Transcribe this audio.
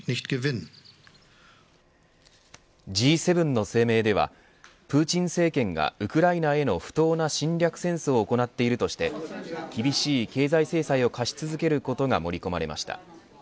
Ｇ７の声明ではプーチン政権がウクライナへの不当な侵略戦争を行っているとして厳しい経済制裁を科し続けることが盛り込まれました。